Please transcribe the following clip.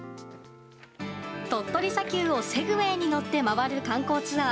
鳥取砂丘をセグウェイに乗って回る観光ツアー。